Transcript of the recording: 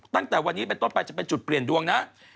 ตั้งแต่วันนี้เป็นต้นไปจะเป็นจุดเปลี่ยนดวงนะ